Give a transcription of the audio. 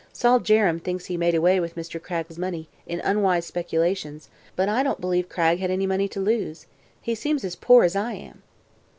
Sol Jerrems thinks he made away with Mr. Cragg's money, in unwise speculations, but I don't believe Cragg had any money to lose. He seems as poor as I am."